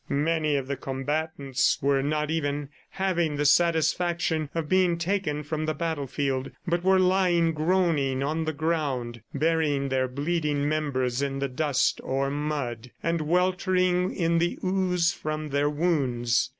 Many of the combatants were not even having the satisfaction of being taken from the battle field, but were lying groaning on the ground, burying their bleeding members in the dust or mud, and weltering in the ooze from their wounds.